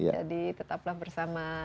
jadi tetaplah bersama